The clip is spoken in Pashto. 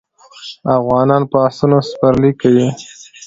افغانان په اسونو سپرلي کوي.